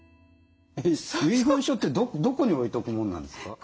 遺言書ってどこに置いとくもんなんですか？